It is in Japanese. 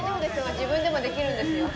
自分でもできるんですよ